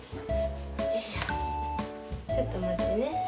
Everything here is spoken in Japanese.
よいしょちょっとまってね。